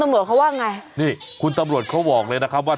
ตำรวจเขาว่าไงนี่คุณตำรวจเขาบอกเลยนะครับว่า